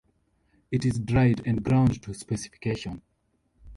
It is dried and ground to specification.